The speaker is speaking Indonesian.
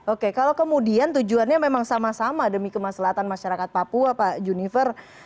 oke kalau kemudian tujuannya memang sama sama demi kemaslahan masyarakat papua pak junifer